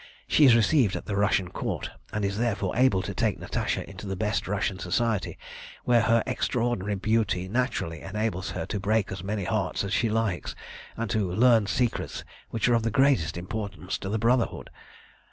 She is received at the Russian Court, and is therefore able to take Natasha into the best Russian Society, where her extraordinary beauty naturally enables her to break as many hearts as she likes, and to learn secrets which are of the greatest importance to the Brotherhood.